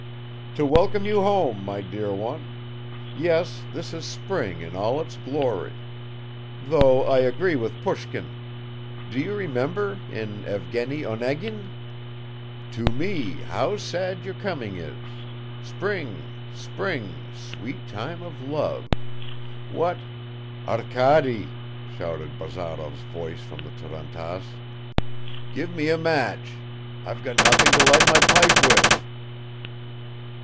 "To welcome you home, my dear one. Yes, this is spring in all its glory. Though I agree with Pushkin do you remember, in Evgeny Onegin, "'To me how sad your coming is, Spring, spring, sweet time of love! What '" "Arkady," shouted Bazarov's voice from the tarantass, "give me a match. I've got nothing to light my pipe with."